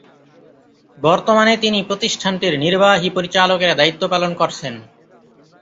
বর্তমানে তিনি প্রতিষ্ঠানটির নির্বাহী পরিচালকের দায়িত্ব পালন করছেন।